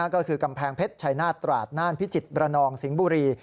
ก็คือกำแพงเพชรชัยนาธตราดน่านพิจิตรมระนองสิงห์บุรี